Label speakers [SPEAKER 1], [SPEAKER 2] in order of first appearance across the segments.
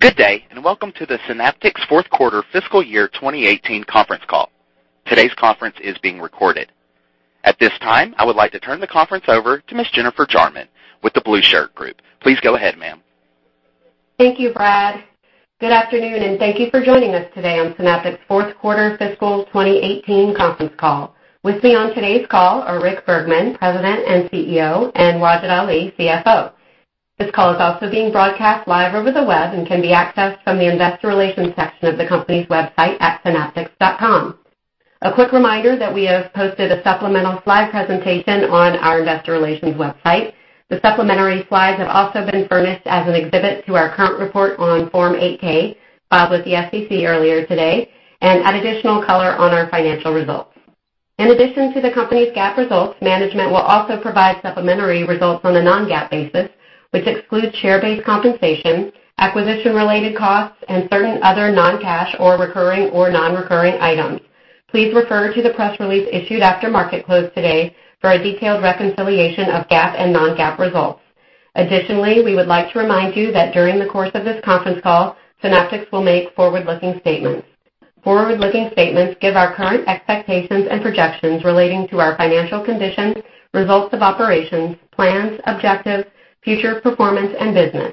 [SPEAKER 1] Good day, welcome to the Synaptics fourth quarter fiscal year 2018 conference call. Today's conference is being recorded. At this time, I would like to turn the conference over to Ms. Jennifer Jarman with The BlueShirt Group. Please go ahead, ma'am.
[SPEAKER 2] Thank you, Brad. Good afternoon, thank you for joining us today on Synaptics' fourth quarter fiscal 2018 conference call. With me on today's call are Richard Bergman, President and CEO, and Wajid Ali, CFO. This call is also being broadcast live over the web and can be accessed from the investor relations section of the company's website at synaptics.com. A quick reminder that we have posted a supplemental slide presentation on our investor relations website. The supplementary slides have also been furnished as an exhibit to our current report on Form 8-K, filed with the SEC earlier today, add additional color on our financial results. In addition to the company's GAAP results, management will also provide supplementary results on a non-GAAP basis, which excludes share-based compensation, acquisition-related costs, and certain other non-cash or recurring or non-recurring items. Please refer to the press release issued after market close today for a detailed reconciliation of GAAP and non-GAAP results. Additionally, we would like to remind you that during the course of this conference call, Synaptics will make forward-looking statements. Forward-looking statements give our current expectations and projections relating to our financial conditions, results of operations, plans, objectives, future performance, and business.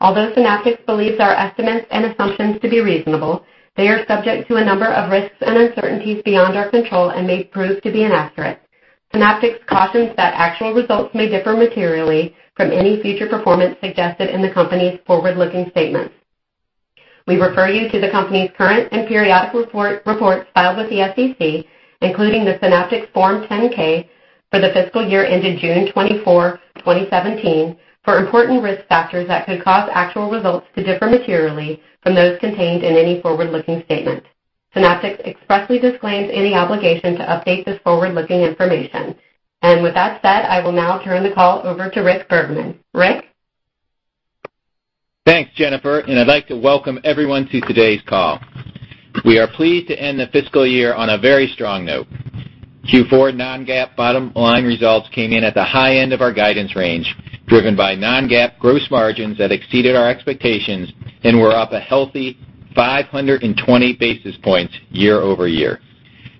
[SPEAKER 2] Although Synaptics believes our estimates and assumptions to be reasonable, they are subject to a number of risks and uncertainties beyond our control and may prove to be inaccurate. Synaptics cautions that actual results may differ materially from any future performance suggested in the company's forward-looking statements. We refer you to the company's current and periodic reports filed with the SEC, including the Synaptics Form 10-K for the fiscal year ended June 24, 2017, for important risk factors that could cause actual results to differ materially from those contained in any forward-looking statement. Synaptics expressly disclaims any obligation to update this forward-looking information. With that said, I will now turn the call over to Richard Bergman. Rick?
[SPEAKER 3] Thanks, Jennifer. I'd like to welcome everyone to today's call. We are pleased to end the fiscal year on a very strong note. Q4 non-GAAP bottom line results came in at the high end of our guidance range, driven by non-GAAP gross margins that exceeded our expectations and were up a healthy 520 basis points year-over-year.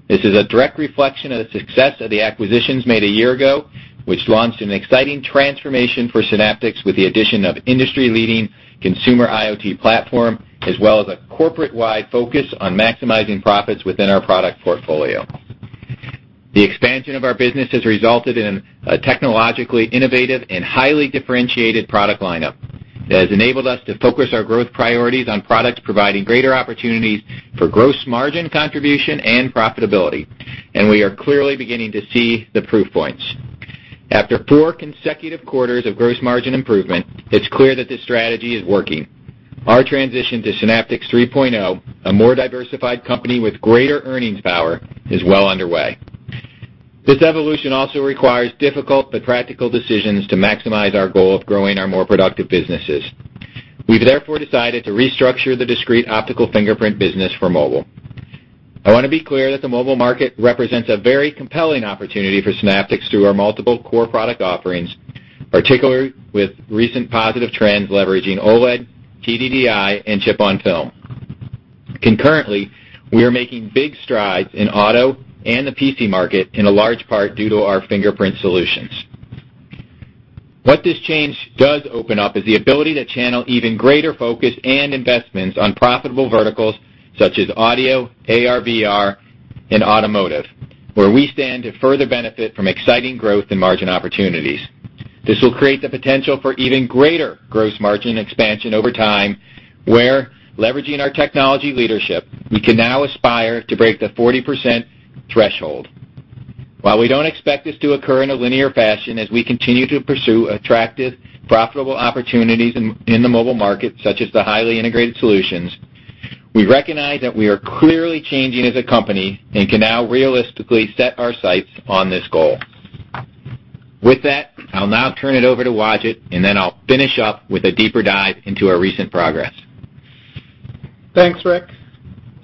[SPEAKER 3] This is a direct reflection of the success of the acquisitions made a year ago, which launched an exciting transformation for Synaptics with the addition of industry-leading consumer IoT platform, as well as a corporate-wide focus on maximizing profits within our product portfolio. The expansion of our business has resulted in a technologically innovative and highly differentiated product lineup that has enabled us to focus our growth priorities on products providing greater opportunities for gross margin contribution and profitability. We are clearly beginning to see the proof points. After four consecutive quarters of gross margin improvement, it's clear that this strategy is working. Our transition to Synaptics 3.0, a more diversified company with greater earnings power, is well underway. This evolution also requires difficult but practical decisions to maximize our goal of growing our more productive businesses. We've therefore decided to restructure the discrete optical fingerprint business for mobile. I want to be clear that the mobile market represents a very compelling opportunity for Synaptics through our multiple core product offerings, particularly with recent positive trends leveraging OLED, TDDI, and chip-on-film. Concurrently, we are making big strides in auto and the PC market, in a large part due to our fingerprint solutions. What this change does open up is the ability to channel even greater focus and investments on profitable verticals such as audio, AR/VR, and automotive, where we stand to further benefit from exciting growth and margin opportunities. This will create the potential for even greater gross margin expansion over time, where, leveraging our technology leadership, we can now aspire to break the 40% threshold. While we don't expect this to occur in a linear fashion as we continue to pursue attractive, profitable opportunities in the mobile market, such as the highly integrated solutions, we recognize that we are clearly changing as a company and can now realistically set our sights on this goal. With that, I'll now turn it over to Wajid. I'll finish up with a deeper dive into our recent progress.
[SPEAKER 4] Thanks, Rick.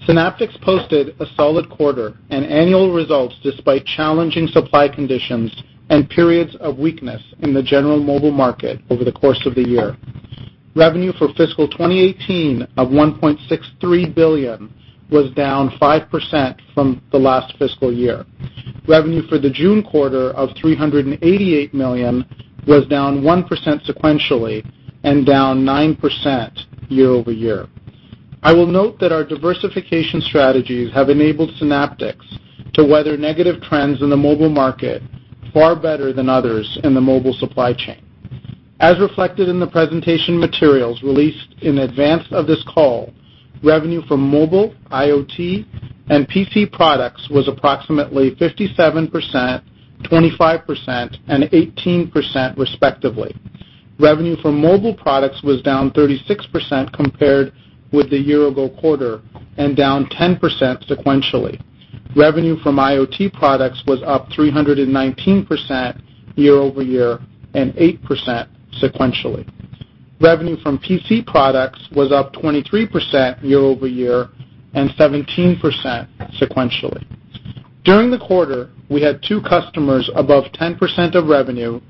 [SPEAKER 4] Synaptics posted a solid quarter and annual results despite challenging supply conditions and periods of weakness in the general mobile market over the course of the year. Revenue for fiscal 2018 of $1.63 billion was down 5% from the last fiscal year. Revenue for the June quarter of $388 million was down 1% sequentially and down 9% year-over-year. I will note that our diversification strategies have enabled Synaptics to weather negative trends in the mobile market far better than others in the mobile supply chain. As reflected in the presentation materials released in advance of this call, revenue from mobile, IoT, and PC products was approximately 57%, 25%, and 18% respectively. Revenue from mobile products was down 36% compared with the year-ago quarter and down 10% sequentially. Revenue from IoT products was up 319% year-over-year and 8% sequentially. Revenue from PC products was up 23% year-over-year and 17% sequentially. During the quarter, we had two customers above 10% of revenue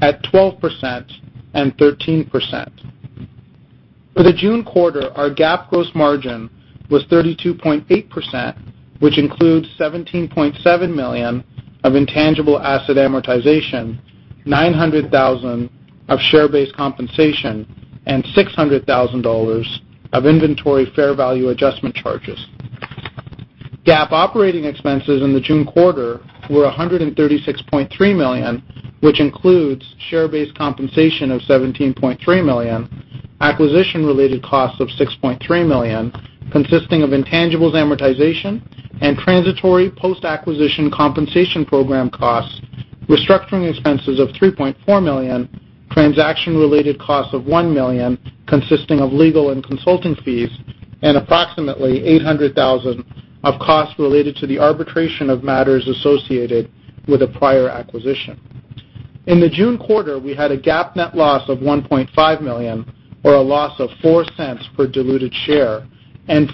[SPEAKER 4] at 12% and 13%. For the June quarter, our GAAP gross margin was 32.8%, which includes $17.7 million of intangible asset amortization, $900,000 of share-based compensation, and $600,000 of inventory fair value adjustment charges. GAAP operating expenses in the June quarter were $136.3 million, which includes share-based compensation of $17.3 million, acquisition-related costs of $6.3 million, consisting of intangibles amortization and transitory post-acquisition compensation program costs, restructuring expenses of $3.4 million, transaction related costs of $1 million, consisting of legal and consulting fees, and approximately $800,000 of costs related to the arbitration of matters associated with a prior acquisition. In the June quarter, we had a GAAP net loss of $1.5 million, or a loss of $0.04 per diluted share.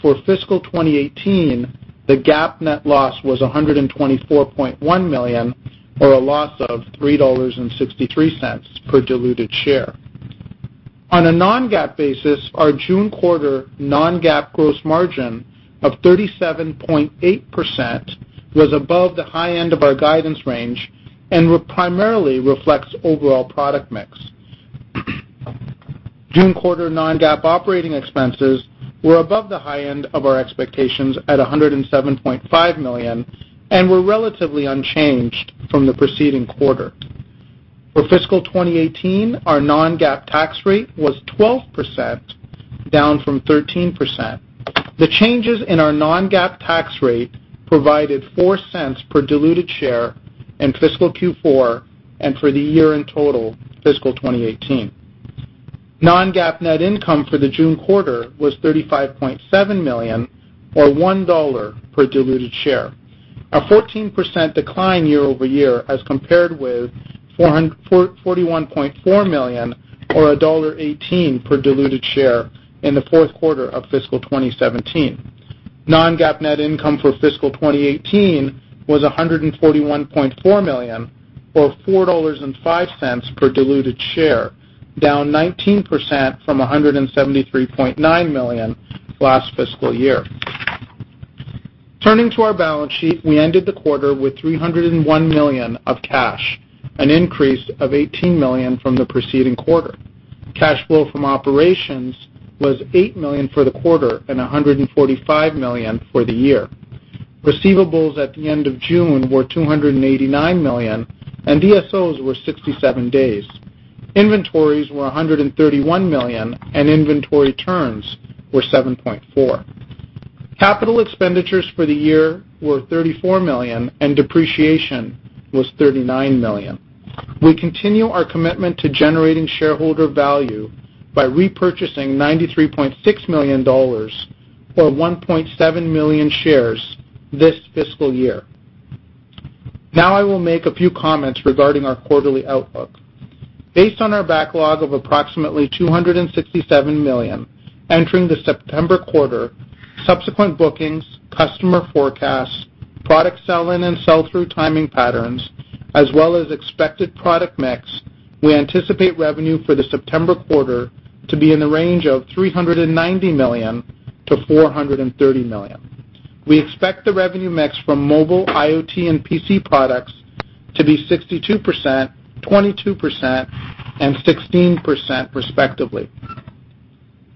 [SPEAKER 4] For fiscal 2018, the GAAP net loss was $124.1 million, or a loss of $3.63 per diluted share. On a non-GAAP basis, our June quarter non-GAAP gross margin of 37.8% was above the high end of our guidance range and primarily reflects overall product mix. June quarter non-GAAP operating expenses were above the high end of our expectations at $107.5 million and were relatively unchanged from the preceding quarter. For fiscal 2018, our non-GAAP tax rate was 12%, down from 13%. The changes in our non-GAAP tax rate provided $0.04 per diluted share in fiscal Q4 and for the year in total fiscal 2018. Non-GAAP net income for the June quarter was $35.7 million or $1 per diluted share, a 14% decline year-over-year as compared with $41.4 million or $1.18 per diluted share in the fourth quarter of fiscal 2017. Non-GAAP net income for fiscal 2018 was $141.4 million or $4.05 per diluted share, down 19% from $173.9 million last fiscal year. Turning to our balance sheet, we ended the quarter with $301 million of cash, an increase of $18 million from the preceding quarter. Cash flow from operations was $8 million for the quarter and $145 million for the year. Receivables at the end of June were $289 million, and DSOs were 67 days. Inventories were $131 million, and inventory turns were 7.4. Capital expenditures for the year were $34 million, and depreciation was $39 million. We continue our commitment to generating shareholder value by repurchasing $93.6 million, or 1.7 million shares this fiscal year. Now I will make a few comments regarding our quarterly outlook. Based on our backlog of approximately $267 million entering the September quarter, subsequent bookings, customer forecasts, product sell-in and sell-through timing patterns, as well as expected product mix, we anticipate revenue for the September quarter to be in the range of $390 million-$430 million. We expect the revenue mix from mobile, IoT, and PC products to be 62%, 22%, and 16%, respectively.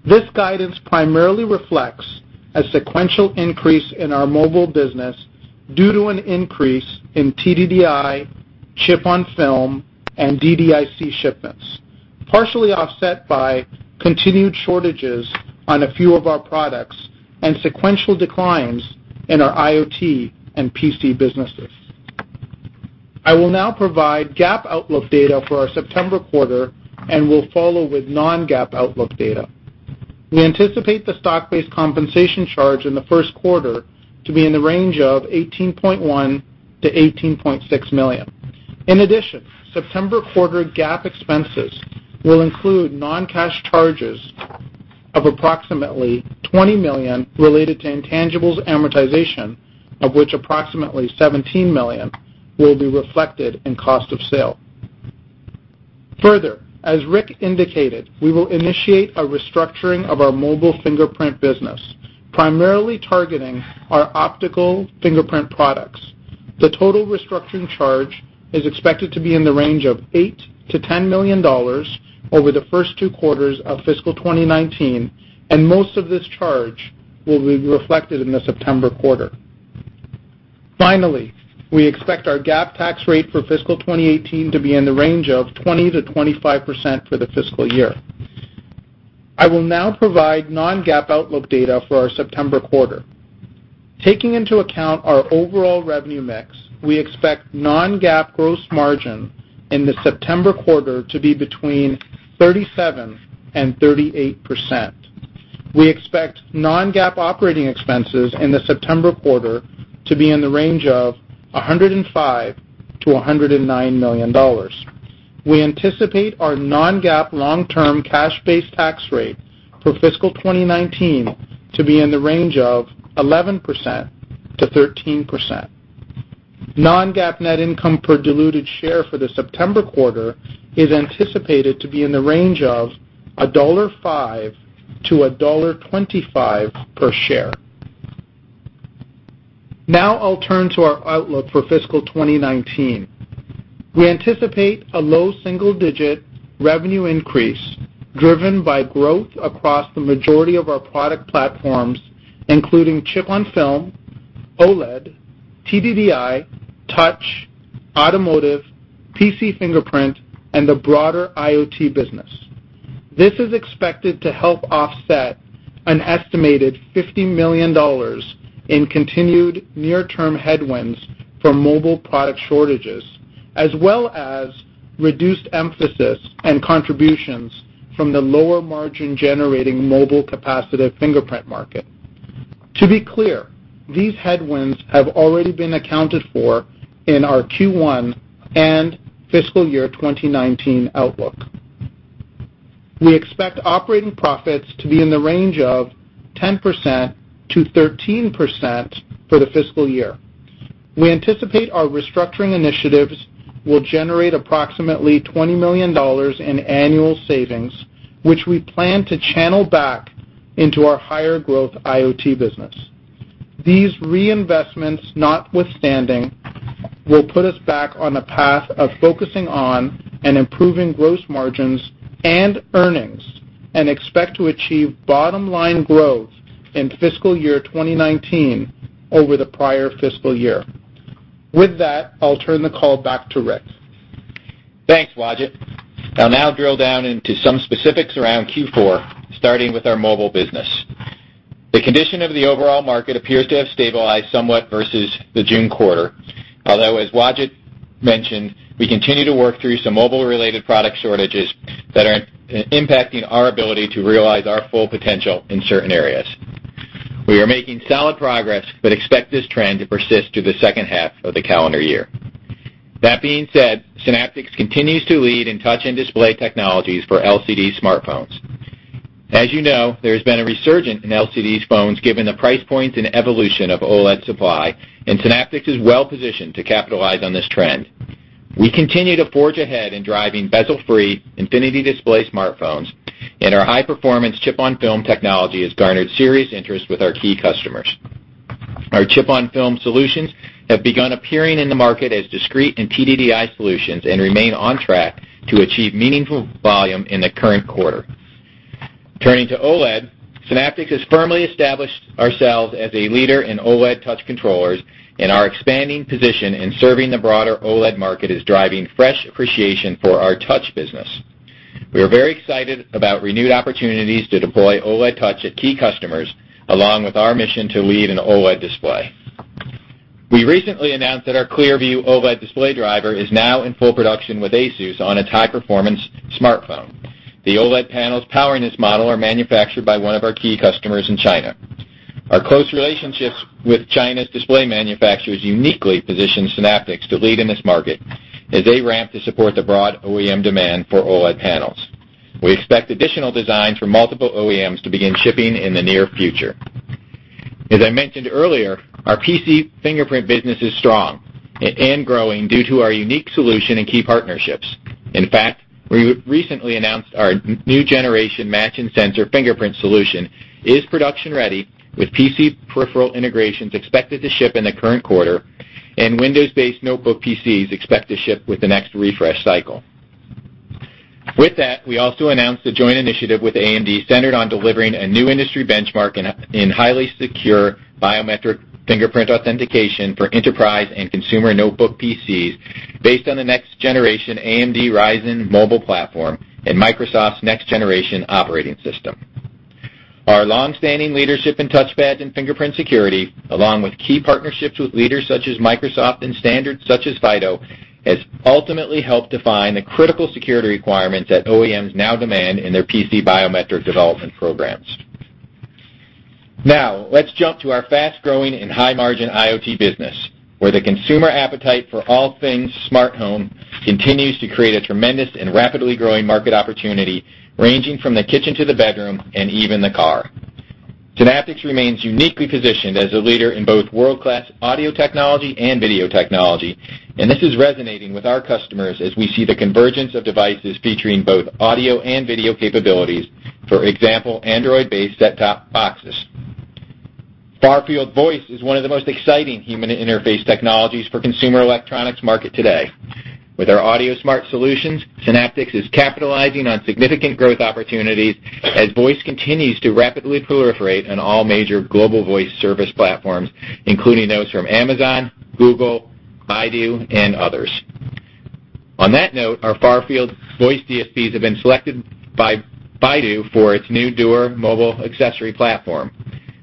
[SPEAKER 4] This guidance primarily reflects a sequential increase in our mobile business due to an increase in TDDI, chip-on-film, and DDIC shipments, partially offset by continued shortages on a few of our products and sequential declines in our IoT and PC businesses. I will now provide GAAP outlook data for our September quarter and will follow with non-GAAP outlook data. We anticipate the stock-based compensation charge in the first quarter to be in the range of $18.1 million-$18.6 million. September quarter GAAP expenses will include non-cash charges of approximately $20 million related to intangibles amortization, of which approximately $17 million will be reflected in cost of sale. As Rick indicated, we will initiate a restructuring of our mobile fingerprint business, primarily targeting our optical fingerprint products. The total restructuring charge is expected to be in the range of $8 million-$10 million over the first two quarters of fiscal 2019, and most of this charge will be reflected in the September quarter. We expect our GAAP tax rate for fiscal 2019 to be in the range of 20%-25% for the fiscal year. I will now provide non-GAAP outlook data for our September quarter. Taking into account our overall revenue mix, we expect non-GAAP gross margin in the September quarter to be between 37% and 38%. We expect non-GAAP operating expenses in the September quarter to be in the range of $105 million-$109 million. We anticipate our non-GAAP long-term cash-based tax rate for fiscal 2019 to be in the range of 11%-13%. Non-GAAP net income per diluted share for the September quarter is anticipated to be in the range of $1.05-$1.25 per share. I'll turn to our outlook for fiscal 2019. We anticipate a low single-digit revenue increase driven by growth across the majority of our product platforms, including chip-on-film, OLED, TDDI, touch, automotive, PC fingerprint, and the broader IoT business. This is expected to help offset an estimated $50 million in continued near-term headwinds from mobile product shortages, as well as reduced emphasis and contributions from the lower margin-generating mobile capacitive fingerprint market. To be clear, these headwinds have already been accounted for in our Q1 and fiscal year 2019 outlook. We expect operating profits to be in the range of 10%-13% for the fiscal year. We anticipate our restructuring initiatives will generate approximately $20 million in annual savings, which we plan to channel back into our higher-growth IoT business. These reinvestments notwithstanding will put us back on a path of focusing on and improving gross margins and earnings, and expect to achieve bottom-line growth in fiscal year 2019 over the prior fiscal year. With that, I'll turn the call back to Rick.
[SPEAKER 3] Thanks, Wajid. I'll now drill down into some specifics around Q4, starting with our mobile business. The condition of the overall market appears to have stabilized somewhat versus the June quarter, although, as Wajid mentioned, we continue to work through some mobile-related product shortages that are impacting our ability to realize our full potential in certain areas. We are making solid progress but expect this trend to persist through the second half of the calendar year. That being said, Synaptics continues to lead in touch and display technologies for LCD smartphones. As you know, there has been a resurgence in LCD phones given the price points and evolution of OLED supply, Synaptics is well-positioned to capitalize on this trend. We continue to forge ahead in driving bezel-free Infinity Display smartphones, and our high-performance chip-on-film technology has garnered serious interest with our key customers. Our chip-on-film solutions have begun appearing in the market as discrete and TDDI solutions, remain on track to achieve meaningful volume in the current quarter. Turning to OLED, Synaptics has firmly established ourselves as a leader in OLED touch controllers, our expanding position in serving the broader OLED market is driving fresh appreciation for our touch business. We are very excited about renewed opportunities to deploy OLED touch at key customers, along with our mission to lead in OLED display. We recently announced that our ClearView OLED display driver is now in full production with ASUS on its high-performance smartphone. The OLED panels powering this model are manufactured by one of our key customers in China. Our close relationships with China's display manufacturers uniquely position Synaptics to lead in this market as they ramp to support the broad OEM demand for OLED panels. We expect additional designs from multiple OEMs to begin shipping in the near future. As I mentioned earlier, our PC fingerprint business is strong and growing due to our unique solution and key partnerships. In fact, we recently announced our new generation Match-in-Sensor fingerprint solution is production ready with PC peripheral integrations expected to ship in the current quarter. Windows-based notebook PCs expect to ship with the next refresh cycle. With that, we also announced a joint initiative with AMD centered on delivering a new industry benchmark in highly secure biometric fingerprint authentication for enterprise and consumer notebook PCs based on the next-generation AMD Ryzen mobile platform and Microsoft's next-generation operating system. Our long-standing leadership in touchpads and fingerprint security, along with key partnerships with leaders such as Microsoft and standards such as FIDO, has ultimately helped define the critical security requirements that OEMs now demand in their PC biometric development programs. Let's jump to our fast-growing and high-margin IoT business, where the consumer appetite for all things smart home continues to create a tremendous and rapidly growing market opportunity, ranging from the kitchen to the bedroom and even the car. Synaptics remains uniquely positioned as a leader in both world-class audio technology and video technology, this is resonating with our customers as we see the convergence of devices featuring both audio and video capabilities. For example, Android-based set-top boxes. Far-field voice is one of the most exciting human interface technologies for consumer electronics market today. With our AudioSmart solutions, Synaptics is capitalizing on significant growth opportunities as voice continues to rapidly proliferate on all major global voice service platforms, including those from Amazon, Google, Baidu, and others. On that note, our far-field voice DSPs have been selected by Baidu for its new DuerOS mobile accessory platform.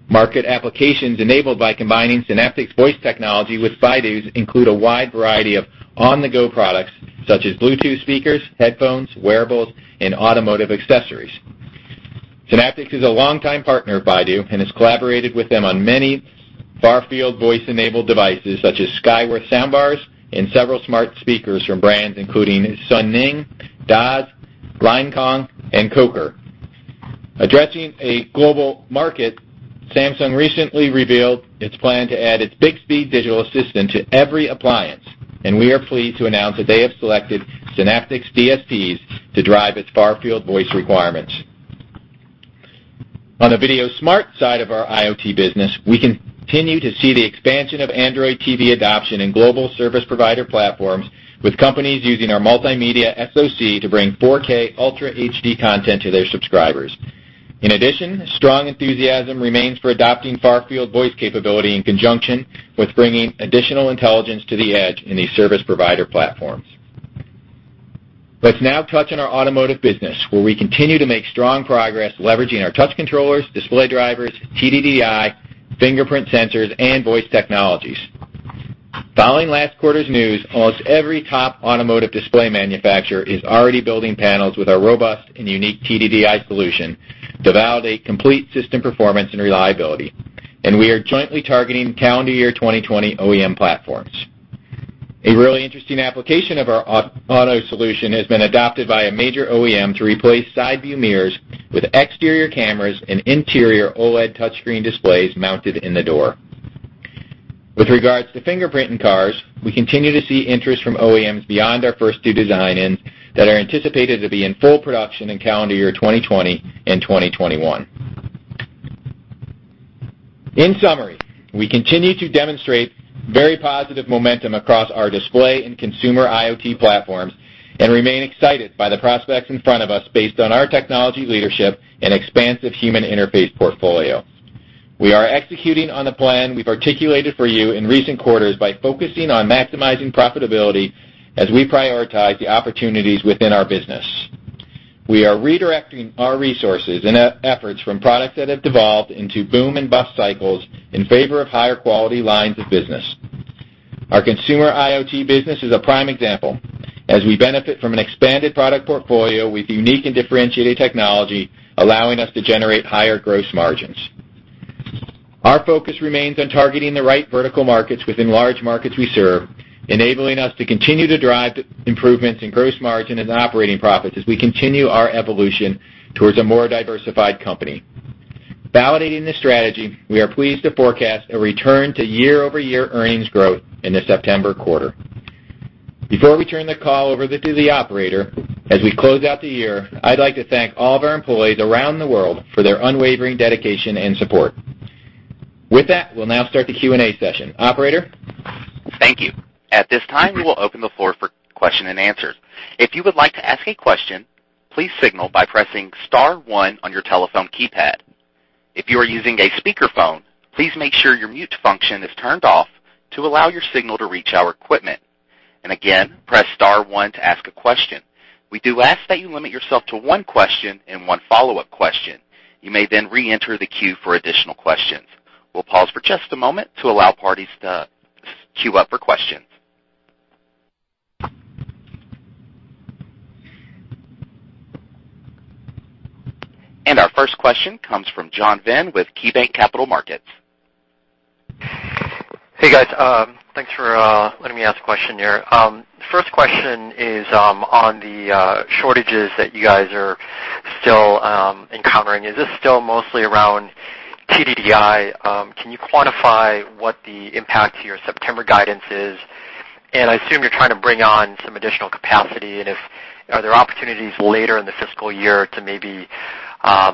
[SPEAKER 3] Market applications enabled by combining Synaptics voice technology with Baidu's include a wide variety of on-the-go products such as Bluetooth speakers, headphones, wearables, and automotive accessories. Synaptics is a long-time partner of Baidu and has collaborated with them on many far-field voice-enabled devices, such as Skyworth soundbars and several smart speakers from brands including Suning, Dazz, Linekong, and Coker. Addressing a global market, Samsung recently revealed its plan to add its Bixby digital assistant to every appliance, and we are pleased to announce that they have selected Synaptics DSPs to drive its far-field voice requirements. On the video smart side of our IoT business, we continue to see the expansion of Android TV adoption in global service provider platforms, with companies using our multimedia SoC to bring 4K Ultra HD content to their subscribers. In addition, strong enthusiasm remains for adopting far-field voice capability in conjunction with bringing additional intelligence to the edge in these service provider platforms. Let's now touch on our automotive business, where we continue to make strong progress leveraging our touch controllers, display drivers, TDDI, fingerprint sensors, and voice technologies. Following last quarter's news, almost every top automotive display manufacturer is already building panels with our robust and unique TDDI solution to validate complete system performance and reliability. We are jointly targeting calendar year 2020 OEM platforms. A really interesting application of our auto solution has been adopted by a major OEM to replace side view mirrors with exterior cameras and interior OLED touchscreen displays mounted in the door. With regards to fingerprint in cars, we continue to see interest from OEMs beyond our first two design wins that are anticipated to be in full production in calendar year 2020 and 2021. In summary, we continue to demonstrate very positive momentum across our display and consumer IoT platforms and remain excited by the prospects in front of us based on our technology leadership and expansive human interface portfolio. We are executing on the plan we've articulated for you in recent quarters by focusing on maximizing profitability as we prioritize the opportunities within our business. We are redirecting our resources and efforts from products that have devolved into boom and bust cycles in favor of higher quality lines of business. Our consumer IoT business is a prime example, as we benefit from an expanded product portfolio with unique and differentiated technology, allowing us to generate higher gross margins. Our focus remains on targeting the right vertical markets within large markets we serve, enabling us to continue to drive improvements in gross margin and operating profits as we continue our evolution towards a more diversified company. Validating this strategy, we are pleased to forecast a return to year-over-year earnings growth in the September quarter. Before we turn the call over to the operator, as we close out the year, I'd like to thank all of our employees around the world for their unwavering dedication and support. With that, we'll now start the Q&A session. Operator?
[SPEAKER 1] Thank you. At this time, we will open the floor for question and answers. If you would like to ask a question, please signal by pressing *1 on your telephone keypad. If you are using a speakerphone, please make sure your mute function is turned off to allow your signal to reach our equipment. Again, press *1 to ask a question. We do ask that you limit yourself to one question and one follow-up question. You may then reenter the queue for additional questions. We will pause for just a moment to allow parties to queue up for questions. Our first question comes from John Vinh with KeyBanc Capital Markets.
[SPEAKER 5] Hey, guys. Thanks for letting me ask a question here. First question is on the shortages that you guys are still encountering. Is this still mostly around TDDI? Can you quantify what the impact to your September guidance is? I assume you're trying to bring on some additional capacity, and are there opportunities later in the fiscal year to maybe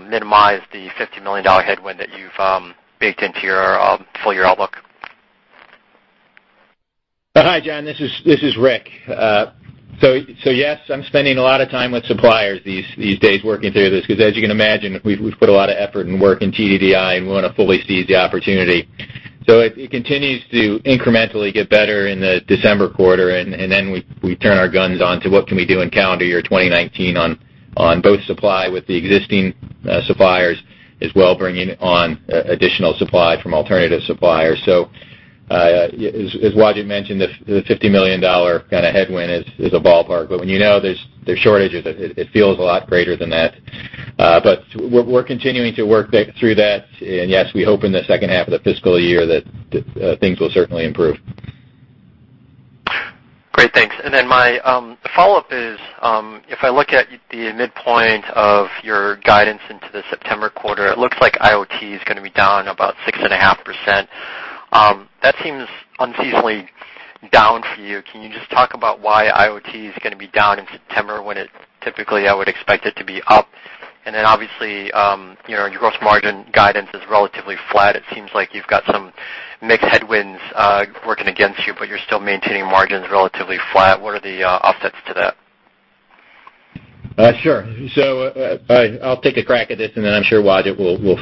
[SPEAKER 5] minimize the $50 million headwind that you've baked into your full-year outlook?
[SPEAKER 3] Hi, John. This is Rick. Yes, I'm spending a lot of time with suppliers these days working through this, because as you can imagine, we've put a lot of effort and work in TDDI, and we want to fully seize the opportunity. It continues to incrementally get better in the December quarter, and then we turn our guns on to what can we do in calendar year 2019 on both supply with the existing suppliers, as well bringing on additional supply from alternative suppliers. As Wajid mentioned, the $50 million kind of headwind is a ballpark. When you know there's shortages, it feels a lot greater than that. We're continuing to work through that. Yes, we hope in the second half of the fiscal year that things will certainly improve.
[SPEAKER 5] Great, thanks. Then my follow-up is, if I look at the midpoint of your guidance into the September quarter, it looks like IoT is going to be down about 6.5%. That seems unseasonably down for you. Can you just talk about why IoT is going to be down in September when it typically, I would expect it to be up? Then obviously, your gross margin guidance is relatively flat. It seems like you've got some mixed headwinds working against you're still maintaining margins relatively flat. What are the offsets to that?
[SPEAKER 3] I'll take a crack at this, and then I'm sure Wajid will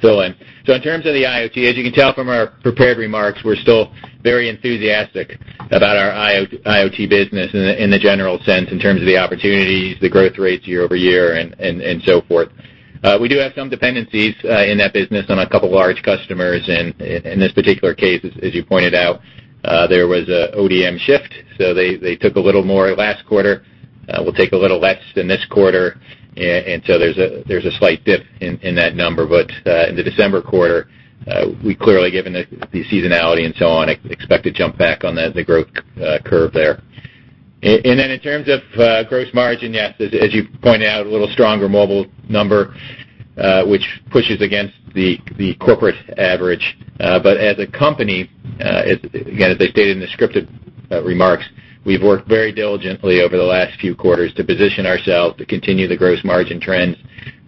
[SPEAKER 3] fill in. In terms of the IoT, as you can tell from our prepared remarks, we're still very enthusiastic about our IoT business in the general sense in terms of the opportunities, the growth rates year-over-year, and so forth. We do have some dependencies in that business on a couple large customers. In this particular case, as you pointed out, there was an ODM shift. They took a little more last quarter, will take a little less than this quarter, and there's a slight dip in that number. In the December quarter, we clearly, given the seasonality and so on, expect to jump back on the growth curve there. In terms of gross margin, yes, as you pointed out, a little stronger mobile number, which pushes against the corporate average. As a company, again, as I stated in the scripted remarks, we've worked very diligently over the last few quarters to position ourselves to continue the gross margin trends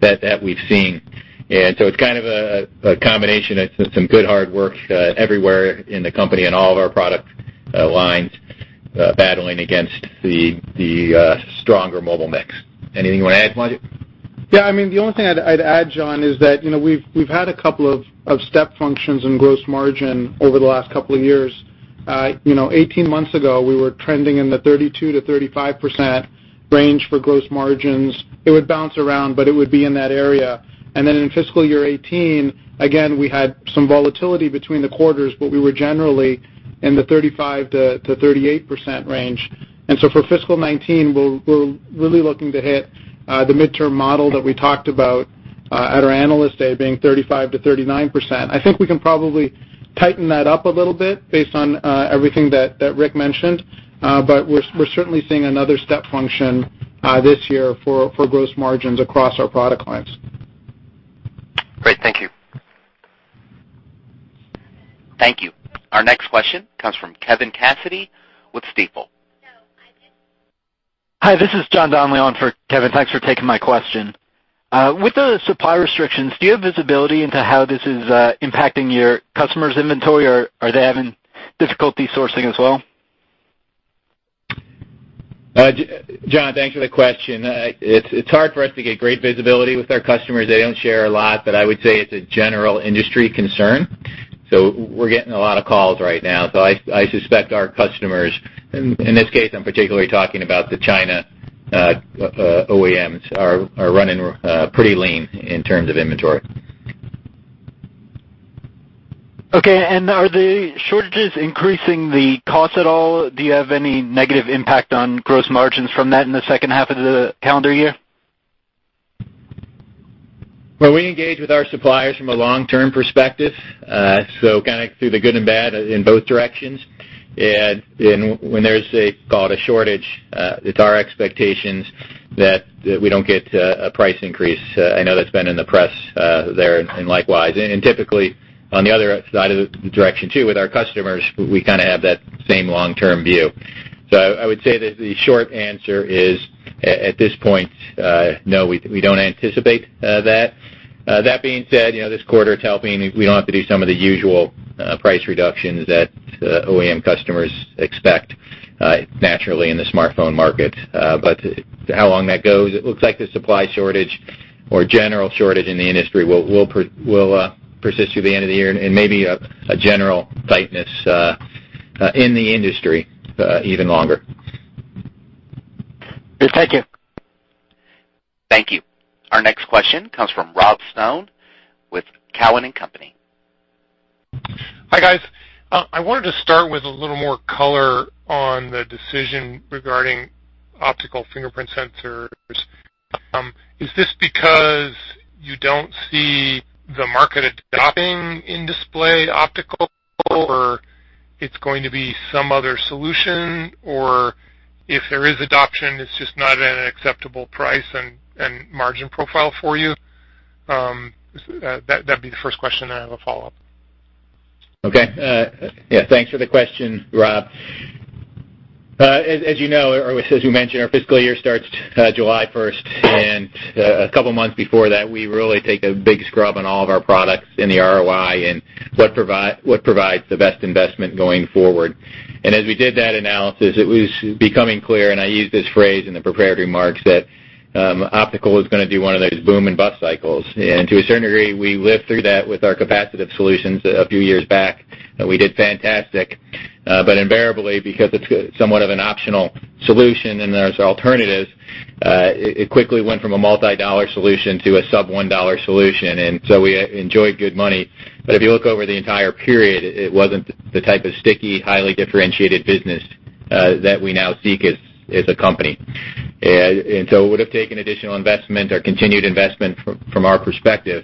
[SPEAKER 3] that we've seen. It's kind of a combination of some good hard work everywhere in the company and all of our product lines battling against the stronger mobile mix. Anything you want to add, Wajid?
[SPEAKER 4] Yeah. The only thing I'd add, John, is that we've had a couple of step functions in gross margin over the last couple of years. 18 months ago, we were trending in the 32%-35% range for gross margins. It would bounce around, but it would be in that area. In fiscal year 2018, again, we had some volatility between the quarters, but we were generally in the 35%-38% range. For fiscal 2019, we're really looking to hit the midterm model that we talked about at our Analyst Day, being 35%-39%. I think we can probably tighten that up a little bit based on everything that Rick mentioned. We're certainly seeing another step function this year for gross margins across our product lines.
[SPEAKER 3] Great. Thank you.
[SPEAKER 1] Thank you. Our next question comes from Kevin Cassidy with Stifel.
[SPEAKER 6] Hi, this is John Donnelly on for Kevin. Thanks for taking my question. With the supply restrictions, do you have visibility into how this is impacting your customers' inventory, or are they having difficulty sourcing as well?
[SPEAKER 3] John, thanks for the question. It's hard for us to get great visibility with our customers. They don't share a lot, I would say it's a general industry concern. We're getting a lot of calls right now. I suspect our customers, in this case, I'm particularly talking about the China OEMs, are running pretty lean in terms of inventory.
[SPEAKER 6] Okay. Are the shortages increasing the cost at all? Do you have any negative impact on gross margins from that in the second half of the calendar year?
[SPEAKER 3] Well, we engage with our suppliers from a long-term perspective, so kind of through the good and bad in both directions. When there's, call it a shortage, it's our expectations that we don't get a price increase. I know that's been in the press there and likewise. Typically, on the other side of the direction too, with our customers, we kind of have that same long-term view. I would say that the short answer is, at this point, no, we don't anticipate that. That being said, this quarter's helping. We don't have to do some of the usual price reductions that OEM customers expect naturally in the smartphone market. How long that goes, it looks like the supply shortage or general shortage in the industry will persist through the end of the year and maybe a general tightness in the industry even longer.
[SPEAKER 6] Yes. Thank you.
[SPEAKER 1] Thank you. Our next question comes from Rob Stone with Cowen and Company.
[SPEAKER 7] Hi, guys. I wanted to start with a little more color on the decision regarding optical fingerprint sensors. Is this because you don't see the market adopting in-display optical, or it's going to be some other solution? If there is adoption, it's just not at an acceptable price and margin profile for you? That'd be the first question, and I have a follow-up.
[SPEAKER 3] Okay. Thanks for the question, Rob. As you know, or as we mentioned, our fiscal year starts July 1st, and a couple of months before that, we really take a big scrub on all of our products in the ROI and what provides the best investment going forward. As we did that analysis, it was becoming clear, and I used this phrase in the prepared remarks, that optical is going to be one of those boom and bust cycles. To a certain degree, we lived through that with our capacitive solutions a few years back, and we did fantastic. Invariably, because it's somewhat of an optional solution and there's alternatives, it quickly went from a multi-dollar solution to a sub $1 solution. We enjoyed good money, but if you look over the entire period, it wasn't the type of sticky, highly differentiated business that we now seek as a company. It would've taken additional investment or continued investment from our perspective.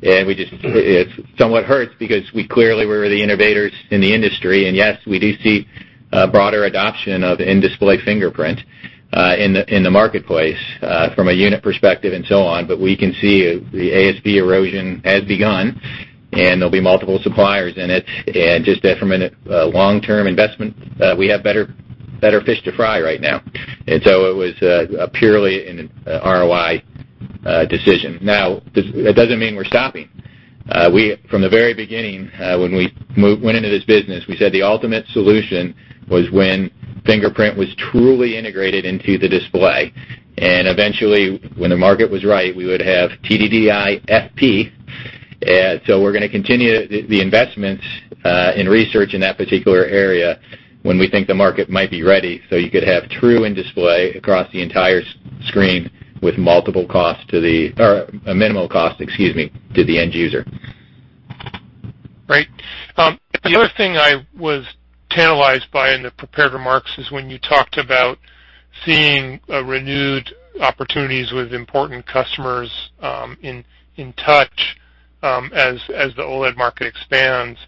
[SPEAKER 3] It somewhat hurts because we clearly were the innovators in the industry, and yes, we do see broader adoption of in-display fingerprint in the marketplace from a unit perspective and so on, but we can see the ASP erosion has begun, and there'll be multiple suppliers in it. Just from a long-term investment, we have better fish to fry right now. It was purely an ROI decision. Now, that doesn't mean we're stopping. From the very beginning, when we went into this business, we said the ultimate solution was when fingerprint was truly integrated into the display. Eventually, when the market was right, we would have TDDI FP. We're going to continue the investments in research in that particular area when we think the market might be ready, so you could have true in-display across the entire screen with multiple cost to the or a minimal cost, excuse me, to the end user.
[SPEAKER 7] Great. The other thing I was tantalized by in the prepared remarks is when you talked about seeing renewed opportunities with important customers in touch as the OLED market expands.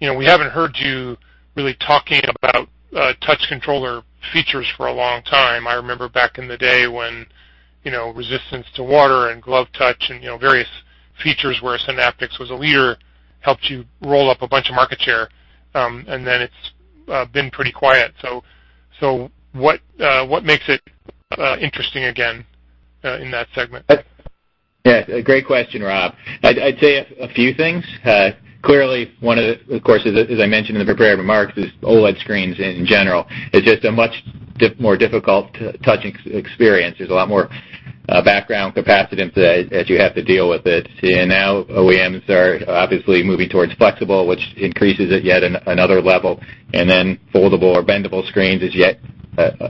[SPEAKER 7] We haven't heard you really talking about touch controller features for a long time. I remember back in the day when resistance to water and glove touch and various features where Synaptics was a leader, helped you roll up a bunch of market share, and then it's been pretty quiet. What makes it interesting again, in that segment?
[SPEAKER 3] Yes, a great question, Rob. I'd say a few things. Clearly one of the, of course, as I mentioned in the prepared remarks, is OLED screens in general, is just a much more difficult touch experience. There's a lot more background capacitance that you have to deal with it. Now OEMs are obviously moving towards flexible, which increases it yet another level, and then foldable or bendable screens is yet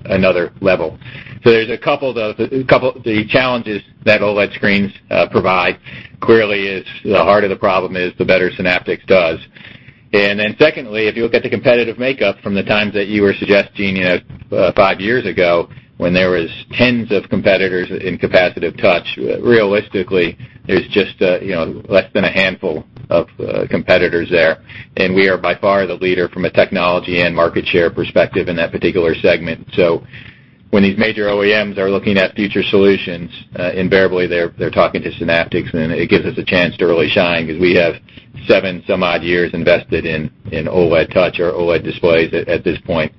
[SPEAKER 3] another level. There's a couple of the challenges that OLED screens provide. Clearly, the heart of the problem is the better Synaptics does. Secondly, if you look at the competitive makeup from the times that you were suggesting, five years ago when there was tens of competitors in capacitive touch, realistically, there's just less than a handful of competitors there. We are by far the leader from a technology and market share perspective in that particular segment. When these major OEMs are looking at future solutions, invariably, they're talking to Synaptics, and it gives us a chance to really shine because we have seven some odd years invested in OLED touch or OLED displays at this point,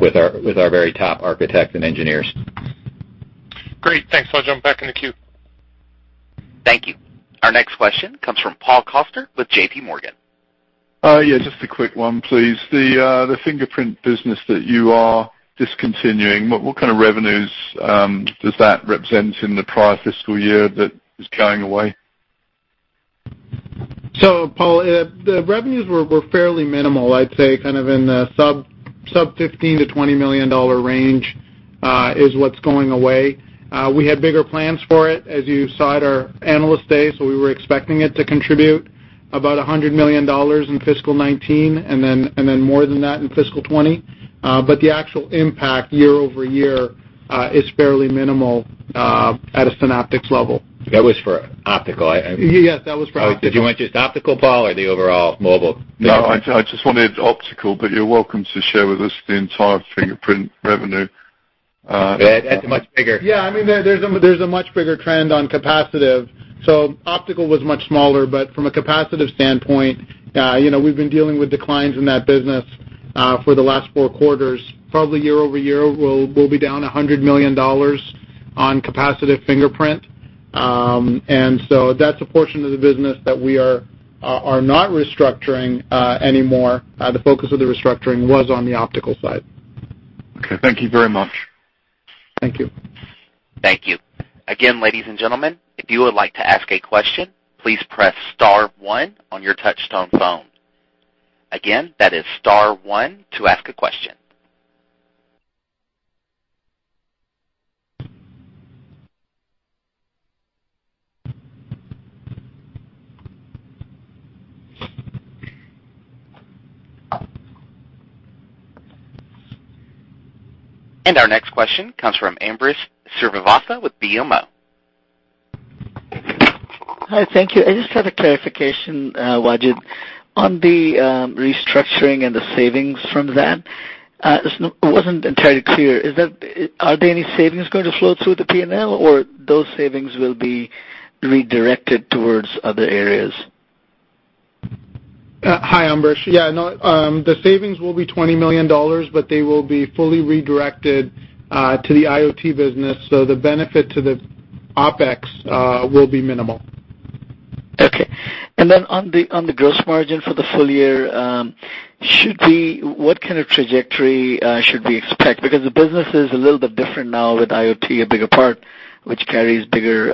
[SPEAKER 3] with our very top architects and engineers.
[SPEAKER 7] Great. Thanks. I'll jump back in the queue.
[SPEAKER 1] Thank you. Our next question comes from Paul Coster with J.P. Morgan.
[SPEAKER 8] Oh, yes, just a quick one, please. The fingerprint business that you are discontinuing, what kind of revenues does that represent in the prior fiscal year that is going away?
[SPEAKER 4] Paul, the revenues were fairly minimal, I'd say kind of in the sub $15 million-$20 million range, is what's going away. We had bigger plans for it, as you saw at our Analyst Day, we were expecting it to contribute about $100 million in fiscal 2019 and then more than that in fiscal 2020. The actual impact year-over-year, is fairly minimal, at a Synaptics level.
[SPEAKER 3] That was for optical.
[SPEAKER 4] Yes, that was for optical.
[SPEAKER 3] Did you want just optical, Paul, or the overall mobile?
[SPEAKER 8] I just wanted optical, but you're welcome to share with us the entire fingerprint revenue.
[SPEAKER 3] That's much bigger.
[SPEAKER 4] There's a much bigger trend on capacitive. Optical was much smaller. From a capacitive standpoint, we've been dealing with declines in that business, for the last four quarters. Probably year-over-year, we'll be down $100 million on capacitive fingerprint. That's a portion of the business that we are not restructuring anymore. The focus of the restructuring was on the optical side.
[SPEAKER 8] Okay. Thank you very much.
[SPEAKER 4] Thank you.
[SPEAKER 1] Thank you. Again, ladies and gentlemen, if you would like to ask a question, please press star one on your touchtone phone. Again, that is star one to ask a question. Our next question comes from Ambrish Srivastava with BMO.
[SPEAKER 9] Hi. Thank you. I just had a clarification, Wajid. On the restructuring and the savings from that, it wasn't entirely clear. Are there any savings going to flow through the P&L, or those savings will be redirected towards other areas?
[SPEAKER 4] Hi, Ambrish. Yeah. The savings will be $20 million, they will be fully redirected to the IoT business, the benefit to the OpEx will be minimal.
[SPEAKER 9] Okay. On the gross margin for the full year, what kind of trajectory should we expect? Because the business is a little bit different now with IoT a bigger part, which carries bigger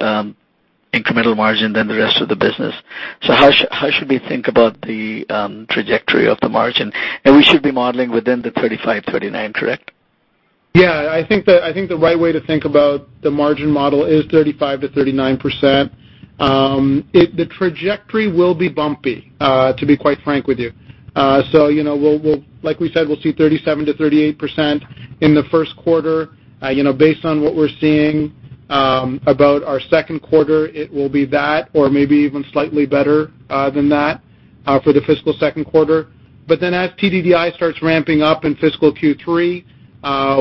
[SPEAKER 9] incremental margin than the rest of the business. How should we think about the trajectory of the margin? We should be modeling within the 35%-39%, correct?
[SPEAKER 4] Yeah, I think the right way to think about the margin model is 35%-39%. The trajectory will be bumpy, to be quite frank with you. Like we said, we'll see 37%-38% in the first quarter. Based on what we're seeing about our second quarter, it will be that or maybe even slightly better than that, for the fiscal second quarter. As TDDI starts ramping up in fiscal Q3,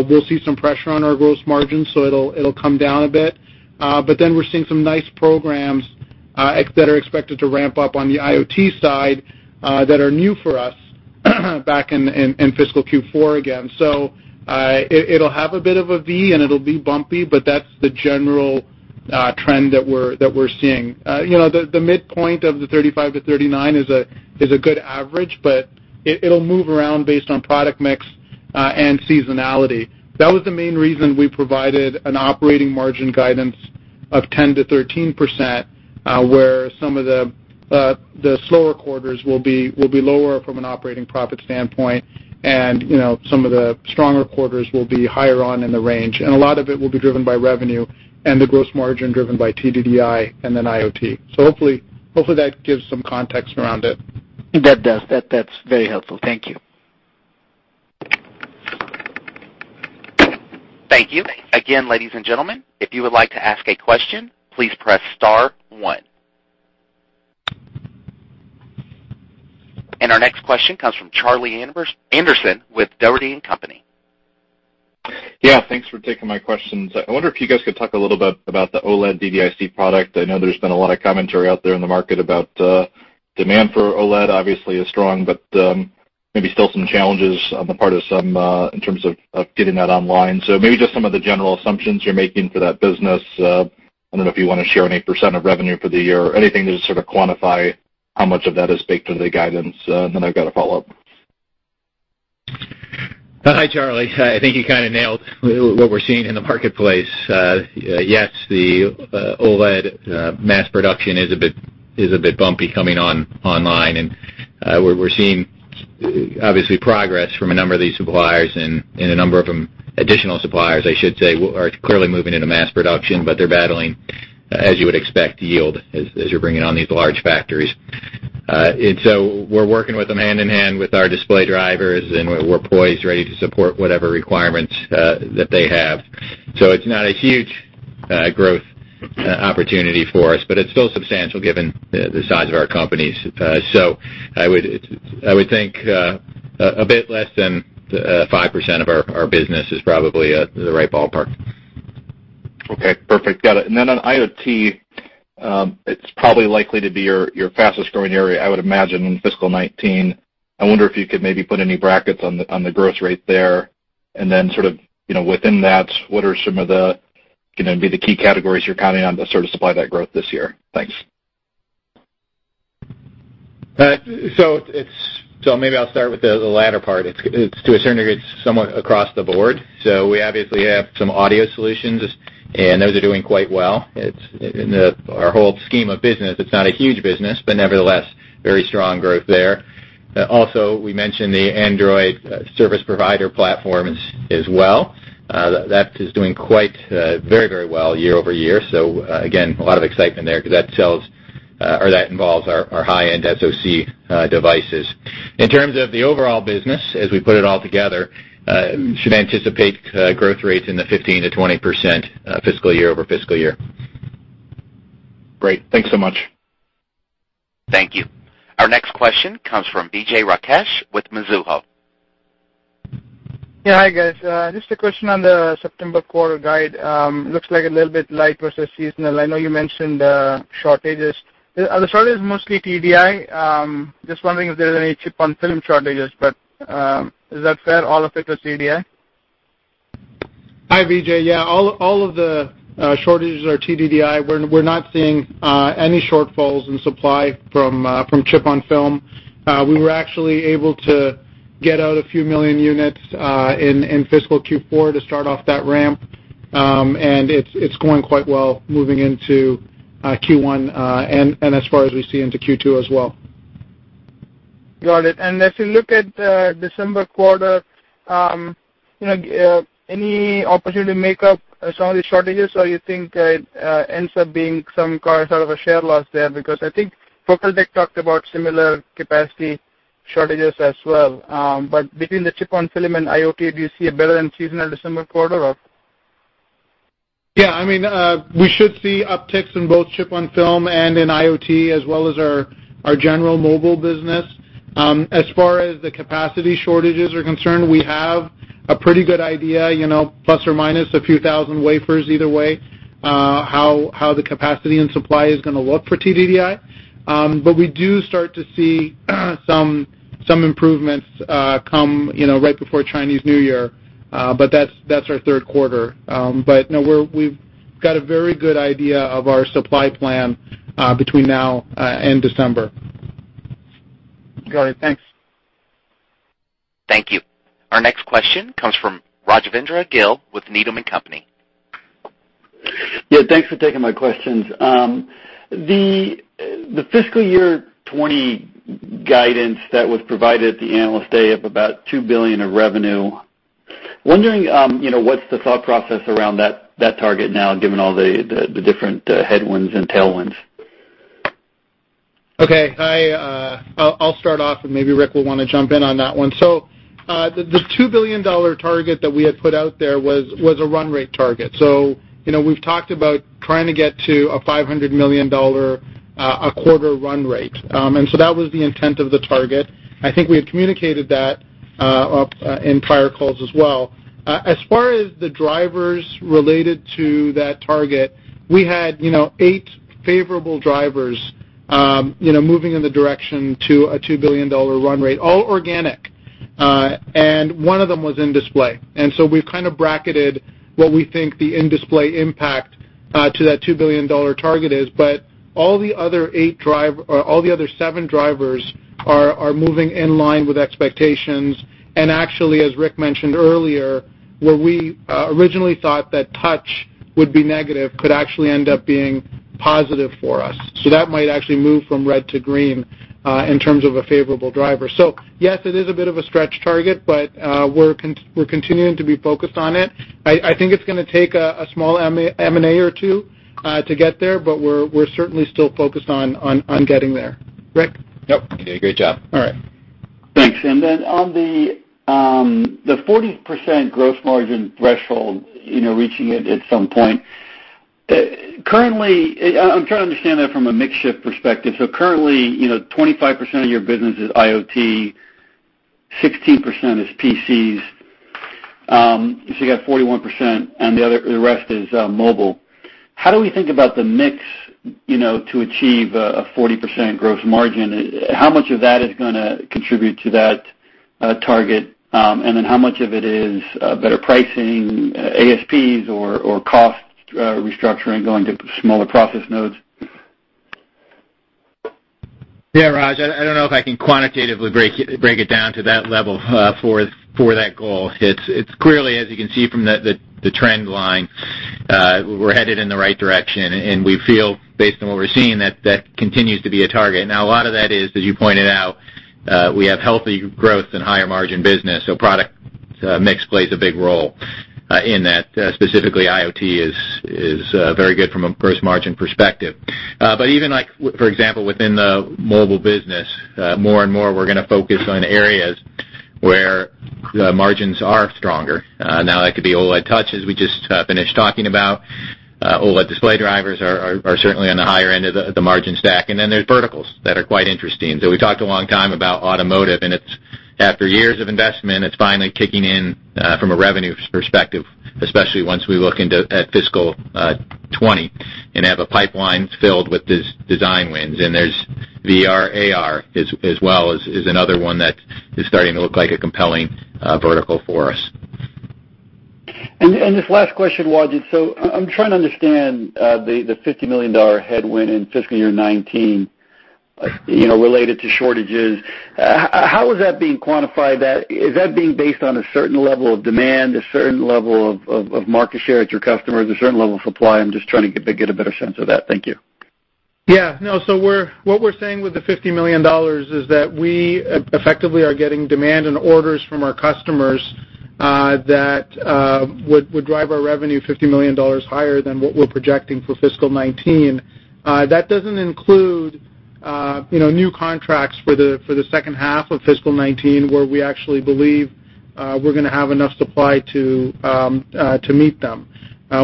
[SPEAKER 4] we'll see some pressure on our gross margin, it'll come down a bit. We're seeing some nice programs, that are expected to ramp up on the IoT side, that are new for us back in fiscal Q4 again. It'll have a bit of a V and it'll be bumpy, but that's the general trend that we're seeing. The midpoint of the 35%-39% is a good average, it'll move around based on product mix, and seasonality. That was the main reason we provided an operating margin guidance of 10%-13%, where some of the slower quarters will be lower from an operating profit standpoint, some of the stronger quarters will be higher on in the range, a lot of it will be driven by revenue and the gross margin driven by TDDI and IoT. Hopefully, that gives some context around it.
[SPEAKER 9] That does. That's very helpful. Thank you.
[SPEAKER 1] Thank you. Again, ladies and gentlemen, if you would like to ask a question, please press star one. Our next question comes from Charlie Anderson with Dougherty & Company.
[SPEAKER 10] Thanks for taking my questions. I wonder if you guys could talk a little bit about the OLED DDIC product. I know there's been a lot of commentary out there in the market about demand for OLED obviously is strong, but maybe still some challenges on the part of some in terms of getting that online. Maybe just some of the general assumptions you're making for that business. I don't know if you want to share any % of revenue for the year or anything to sort of quantify how much of that is baked into the guidance. I've got a follow-up.
[SPEAKER 3] Hi, Charlie. I think you kind of nailed what we're seeing in the marketplace. Yes, the OLED mass production is a bit bumpy coming online, we're seeing obviously progress from a number of these suppliers, a number of additional suppliers, I should say, are clearly moving into mass production. They're battling, as you would expect, yield as you're bringing on these large factories. We're working with them hand-in-hand with our display drivers, we're poised, ready to support whatever requirements that they have. It's not a huge growth opportunity for us, but it's still substantial given the size of our companies. I would think a bit less than 5% of our business is probably the right ballpark.
[SPEAKER 10] Okay, perfect. Got it. Then on IoT, it is probably likely to be your fastest-growing area, I would imagine, in fiscal 2019. I wonder if you could maybe put any brackets on the growth rate there, and then sort of within that, what are some of the key categories you are counting on to sort of supply that growth this year? Thanks.
[SPEAKER 3] Maybe I will start with the latter part. To a certain degree, it is somewhat across the board. We obviously have some audio solutions, and those are doing quite well. In our whole scheme of business, it is not a huge business, but nevertheless, very strong growth there. Also, we mentioned the Android service provider platforms as well. That is doing very well year-over-year. Again, a lot of excitement there because that involves our high-end SoC devices. In terms of the overall business, as we put it all together, should anticipate growth rates in the 15%-20% fiscal year-over-year.
[SPEAKER 10] Great. Thanks so much.
[SPEAKER 1] Thank you. Our next question comes from Vijay Rakesh with Mizuho.
[SPEAKER 11] Yeah, hi guys. Just a question on the September quarter guide. Looks like a little bit light versus seasonal. I know you mentioned shortages. Are the shortages mostly TDDI? Just wondering if there is any chip-on-film shortages, but is that fair, all of it was TDDI?
[SPEAKER 4] Hi, Vijay. Yeah, all of the shortages are TDDI. We're not seeing any shortfalls in supply from chip-on-film. We were actually able to get out a few million units in fiscal Q4 to start off that ramp, and it's going quite well moving into Q1, and as far as we see into Q2 as well.
[SPEAKER 11] Got it. As you look at December quarter, any opportunity to make up some of the shortages, or you think it ends up being some sort of a share loss there? I think FocalTech talked about similar capacity shortages as well. Between the chip-on-film and IoT, do you see a better than seasonal December quarter or?
[SPEAKER 4] Yeah, we should see upticks in both chip-on-film and in IoT as well as our general mobile business. As far as the capacity shortages are concerned, we have a pretty good idea, plus or minus a few thousand wafers either way, how the capacity and supply is going to look for TDDI. We do start to see some improvements come right before Chinese New Year, but that's our third quarter. No, we've got a very good idea of our supply plan between now and December.
[SPEAKER 11] Got it. Thanks.
[SPEAKER 1] Thank you. Our next question comes from Rajvindra Gill with Needham & Company.
[SPEAKER 12] Thanks for taking my questions. The fiscal year 2020 guidance that was provided at the Analyst Day of about $2 billion of revenue, wondering what's the thought process around that target now, given all the different headwinds and tailwinds?
[SPEAKER 4] I'll start off, and maybe Rick will want to jump in on that one. The $2 billion target that we had put out there was a run rate target. We've talked about trying to get to a $500 million a quarter run rate. That was the intent of the target. I think we had communicated that in prior calls as well. As far as the drivers related to that target, we had eight favorable drivers moving in the direction to a $2 billion run rate, all organic. One of them was in display. We've kind of bracketed what we think the in-display impact to that $2 billion target is. All the other seven drivers are moving in line with expectations. Actually, as Rick mentioned earlier, where we originally thought that touch would be negative, could actually end up being positive for us. That might actually move from red to green in terms of a favorable driver. Yes, it is a bit of a stretch target, but we're continuing to be focused on it. I think it's going to take a small M&A or two to get there, but we're certainly still focused on getting there. Rick?
[SPEAKER 3] Yep. You did a great job.
[SPEAKER 4] All right.
[SPEAKER 12] Thanks. Then on the 40% gross margin threshold, reaching it at some point. I'm trying to understand that from a mix shift perspective. Currently, 25% of your business is IoT, 16% is PCs. You got 41%, and the rest is mobile. How do we think about the mix to achieve a 40% gross margin? How much of that is going to contribute to that target? Then how much of it is better pricing, ASPs, or cost restructuring, going to smaller process nodes?
[SPEAKER 3] Raj, I don't know if I can quantitatively break it down to that level for that goal. It's clearly, as you can see from the trend line, we're headed in the right direction, and we feel, based on what we're seeing, that continues to be a target. A lot of that is, as you pointed out, we have healthy growth in higher margin business, so product mix plays a big role in that. Specifically, IoT is very good from a gross margin perspective. Even like, for example, within the mobile business, more and more we're going to focus on areas where the margins are stronger. That could be OLED touch, as we just finished talking about. OLED display drivers are certainly on the higher end of the margin stack. Then there's verticals that are quite interesting. We talked a long time about automotive, and after years of investment, it's finally kicking in from a revenue perspective, especially once we look into at fiscal 2020 and have a pipeline filled with design wins. There's VR/AR as well is another one that is starting to look like a compelling vertical for us.
[SPEAKER 12] This last question, Wajid. I'm trying to understand the $50 million headwind in fiscal year 2019 related to shortages. How is that being quantified? Is that being based on a certain level of demand, a certain level of market share at your customers, a certain level of supply? I'm just trying to get a better sense of that. Thank you.
[SPEAKER 4] What we're saying with the $50 million is that we effectively are getting demand and orders from our customers that would drive our revenue $50 million higher than what we're projecting for fiscal 2019. That doesn't include new contracts for the second half of fiscal 2019, where we actually believe we're going to have enough supply to meet them.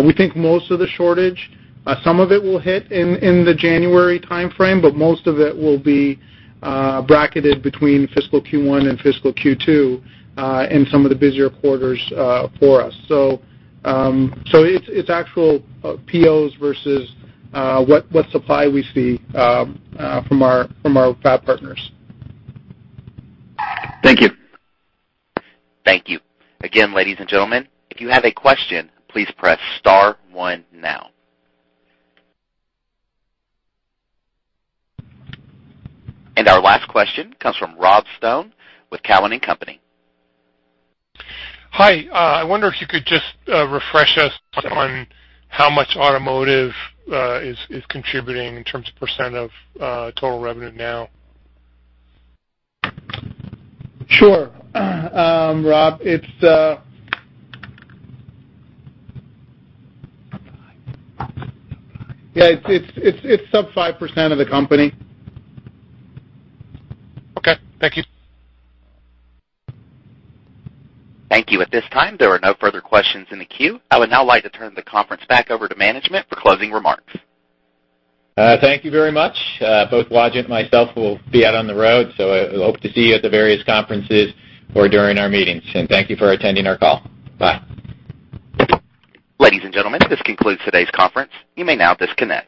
[SPEAKER 4] We think most of the shortage, some of it will hit in the January timeframe, but most of it will be bracketed between fiscal Q1 and fiscal Q2 in some of the busier quarters for us. It's actual POs versus what supply we see from our fab partners.
[SPEAKER 12] Thank you.
[SPEAKER 1] Thank you. Again, ladies and gentlemen, if you have a question, please press star one now. Our last question comes from Rob Stone with Cowen and Company.
[SPEAKER 7] Hi. I wonder if you could just refresh us on how much automotive is contributing in terms of % of total revenue now.
[SPEAKER 4] Sure. Rob, it's sub 5% of the company.
[SPEAKER 7] Okay, thank you.
[SPEAKER 1] Thank you. At this time, there are no further questions in the queue. I would now like to turn the conference back over to management for closing remarks.
[SPEAKER 3] Thank you very much. Both Wajid and myself will be out on the road, so I hope to see you at the various conferences or during our meetings. Thank you for attending our call. Bye.
[SPEAKER 1] Ladies and gentlemen, this concludes today's conference. You may now disconnect.